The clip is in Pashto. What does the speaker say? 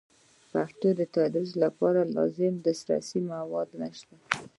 د پښتو د تدریس لپاره لازم درسي مواد نشته.